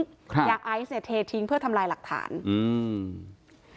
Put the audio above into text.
ครับยาไอซ์เนี่ยเททิ้งเพื่อทำลายหลักฐานอืม